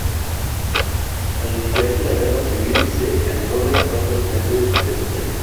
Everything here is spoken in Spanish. Al iniciarse la Guerra civil se enrola y parte al frente de batalla.